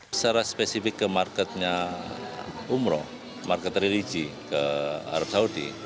secara spesifik ke marketnya umroh market religi ke arab saudi